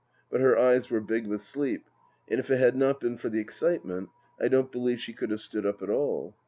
But her eyes were big with sleep, and if it had not been for the excitement I don't believe she could have stood up at all.